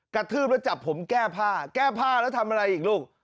ทืบแล้วจับผมแก้ผ้าแก้ผ้าแล้วทำอะไรอีกลูก